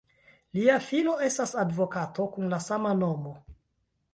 Lia filo estas advokato kun la sama nomo.